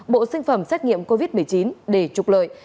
bộ sinh phẩm xét nghiệm covid một mươi chín để trục lợi